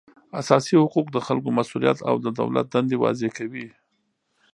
اساسي حقوق د خلکو مسولیت او د دولت دندې واضح کوي